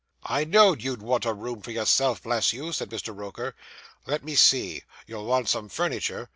'I knowed you'd want a room for yourself, bless you!' said Mr. Roker. 'Let me see. You'll want some furniture.